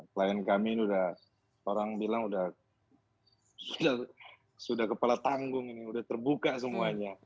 klien kami ini sudah orang bilang udah kepala tanggung ini sudah terbuka semuanya